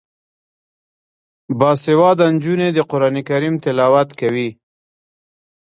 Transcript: باسواده نجونې د قران کریم تلاوت کوي.